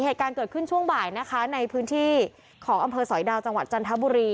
เหตุการณ์เกิดขึ้นช่วงบ่ายนะคะในพื้นที่ของอำเภอสอยดาวจังหวัดจันทบุรี